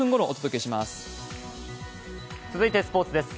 続いてスポーツです。